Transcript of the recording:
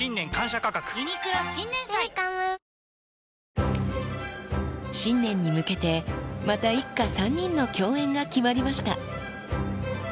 それにしても、新年に向けて、また一家３人の共演が決まりました。